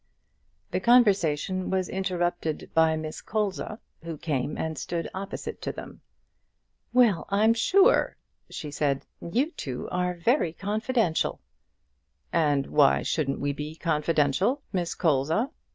The conversation was interrupted by Miss Colza, who came and stood opposite to them. "Well, I'm sure," she said; "you two are very confidential." "And why shouldn't we be confidential, Miss Colza?"